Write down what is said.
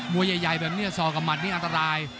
วยใหญ่แบบนี้สอกกับหมัดนี่อันตราย